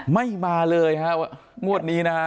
ไม่มาเลยค่ะงวดนี้นะ